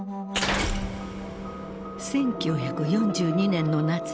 １９４２年の夏